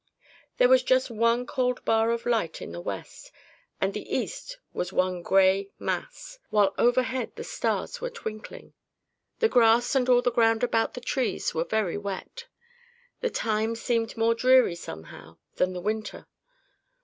There was just one cold bar of light in the west, and the east was one gray mass, while overhead the stars were twinkling. The grass and all the ground about the trees were very wet. The time seemed more dreary somehow than the winter.